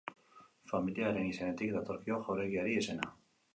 Familia haren izenetik datorkio jauregiari izena.